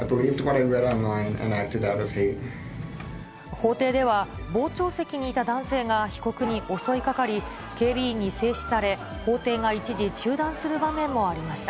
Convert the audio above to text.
法廷では、傍聴席にいた男性が、被告に襲いかかり、警備員に制止され、法廷が一時中断する場面もありました。